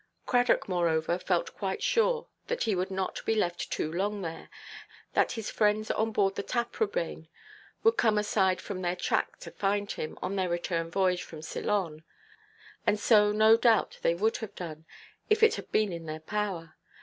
Cradock, moreover, felt quite sure that he would not be left too long there; that his friends on board the Taprobane would come aside from their track to find him, on their return–voyage from Ceylon; and so no doubt they would have done, if it had been in their power.